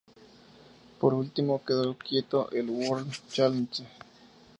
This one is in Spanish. Por último, quedó quinto en el World Challenge.